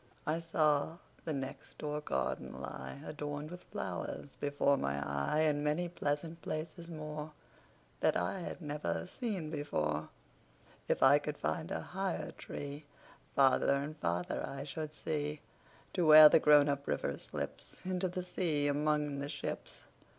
I saw the next door garden lie, Adorned with flowers, before my eye, And many pleasant places moreThat I had never seen before. If I could find a higher treeFarther and farther I should see, To where the grown up river slipsInto the sea among the ships.